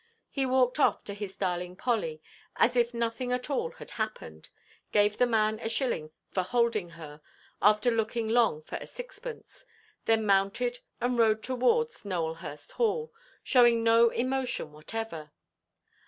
He walked off to his darling Polly as if nothing at all had happened; gave the man a shilling for holding her, after looking long for a sixpence; then mounted, and rode towards Nowelhurst Hall, showing no emotion whatever.